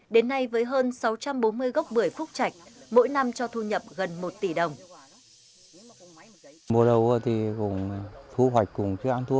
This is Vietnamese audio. đến nay với hơn sáu trăm bốn mươi gốc bưởi phúc trạch